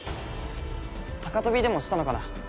高飛びでもしたのかな。